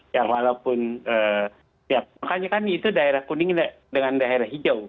ya walaupun ya makanya kan itu daerah kuning dengan daerah hijau